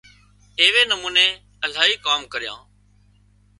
ايوي نموني الاهي ڪام ڪريان